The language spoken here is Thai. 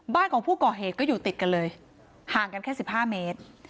บ้านของผู้ก่อเหตุก็อยู่ติดกันเลยห่างกันแค่๑๕เมตร